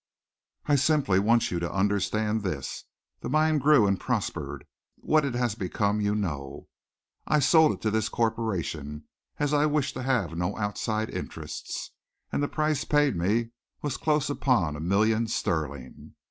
I simply want you to understand this. The mine grew and prospered. What it has become you know. I sold it to this corporation, as I wished to have no outside interests, and the price paid me was close upon a million sterling.